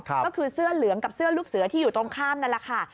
ก็คือเสื้อเหลืองกับเสื้อลูกเสือที่อยู่ตรงข้ามนั่นแหละค่ะ